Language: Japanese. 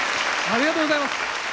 ありがとうございます。